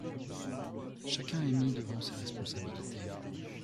Chacun est mis devant ses responsabilités